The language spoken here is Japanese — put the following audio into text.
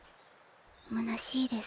むなしいです。